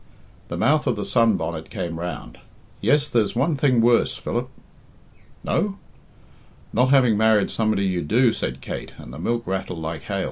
The mouth of the sun bonnet came round. "Yes, there's one thing worse, Philip." "No?" "Not having married somebody you do," said Kate, and the milk rattled like hail.